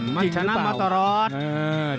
มาชนะมาตลอด